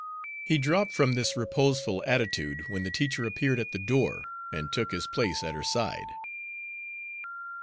He dropped from this reposeful attitude when the teacher appeared at the door, and took his place at her side.